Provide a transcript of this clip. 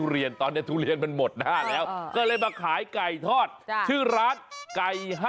ริ้นคุณเป็นอะไร